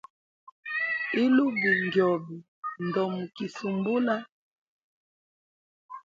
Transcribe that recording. Ilubi njobe, ndomikisumbula.